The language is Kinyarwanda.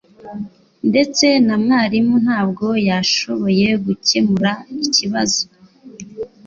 Ndetse na mwarimu ntabwo yashoboye gukemura ikibazo.